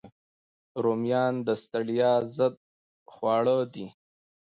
رومیان د ستړیا ضد خواړه دي